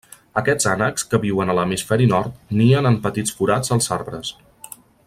Aquests ànecs que viuen a l'hemisferi nord, nien en petits forats als arbres.